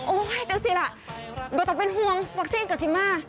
โอ้ยเต็มสิล่ะโดดต่อเป็นห่วงวัคซีนกับซิม่า